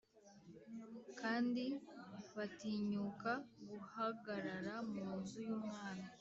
kandi batinyuka guhagarara mu nzu y’umwami